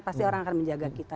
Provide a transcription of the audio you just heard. pasti orang akan menjaga kita